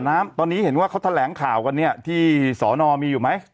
น้ำตอนนี้เห็นว่าเขาแถลงข่าวกันเนี่ยที่สอนอมีอยู่ไหม